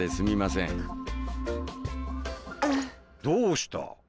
どうした？